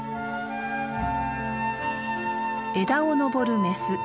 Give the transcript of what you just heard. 枝をのぼるメス。